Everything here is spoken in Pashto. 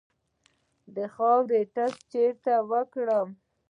د خاورې ټسټ چیرته وکړم؟